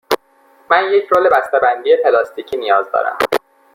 من به یک رول بسته بندی پلاستیکی نیاز دارم.